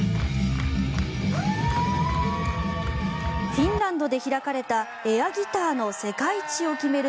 フィンランドで開かれたエアギターの世界一を決める